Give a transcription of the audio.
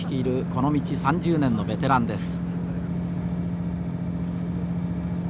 この道３０年のベテランです。